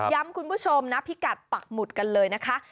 คุณผู้ชมนะพิกัดปักหมุดกันเลยนะคะ